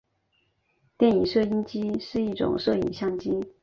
电影摄影机是一种摄影相机。